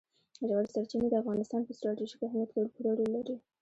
ژورې سرچینې د افغانستان په ستراتیژیک اهمیت کې پوره رول لري.